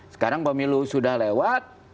sekarang pemilu sudah lewat